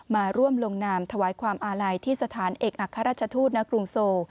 มาร่วมลงนามถวายความอาลัยที่สถานเอกอัครราชทูตณกรุงโซ